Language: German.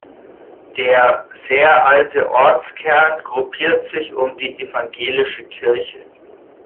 Der sehr alte Ortskern gruppiert sich um die Evangelische Kirche.